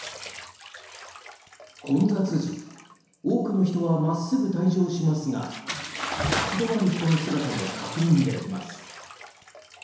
混雑時、多くの人は真っすぐ退場しますが立ち止まる人の姿も確認できます。